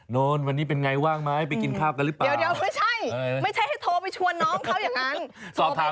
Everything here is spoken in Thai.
นอนวันนี้เป็นแง่ว่างไหมไปกินข้าวกันหรือเปล่า